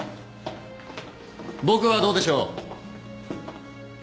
僕はどうでしょう？